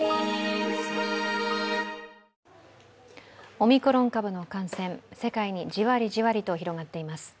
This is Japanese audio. オミクロン株の感染、世界にじわりじわりと広がっています。